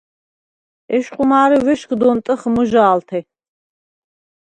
ეშხუ მა̄რე ვეშგდ ონტჷხ მჷჟა̄ლთე.